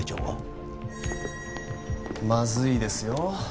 まずいですよ